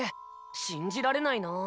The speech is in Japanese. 信じられないなぁ。